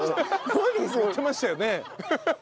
行ってましたよね。